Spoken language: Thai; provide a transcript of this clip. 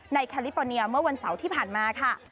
แคลิฟอร์เนียเมื่อวันเสาร์ที่ผ่านมาค่ะ